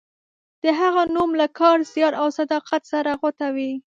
د هغه نوم له کار، زیار او صداقت سره غوټه و.